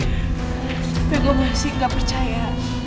tapi gue masih gak percaya